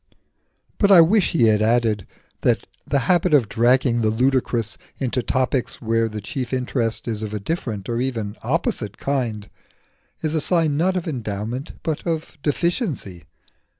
But I wish he had added that the habit of dragging the ludicrous into topics where the chief interest is of a different or even opposite kind is a sign not of endowment, but of deficiency.